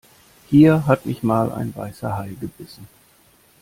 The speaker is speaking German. Hier hat mich mal ein Weißer Hai gebissen.